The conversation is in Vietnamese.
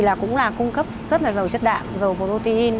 cá thì cũng là cung cấp rất là dầu chất đạm dầu protein